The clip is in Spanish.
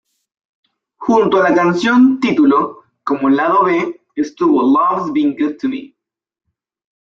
Junto a la canción título, como lado B, estuvo "Love's Been Good to Me.